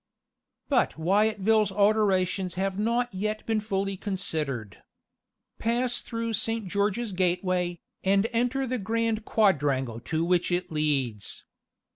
But Wyatville's alterations have not yet been fully considered. Pass through Saint George's Gateway, and enter the grand quadrangle to which it leads.